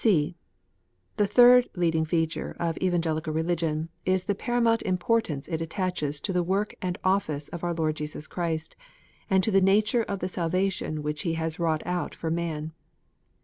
(c) The third leading feature of Evangelical Religion is the paramount importance it attaches to the work and office of our Lord Jesus Christ, and to the nature of the salvation which He has wrought out for man.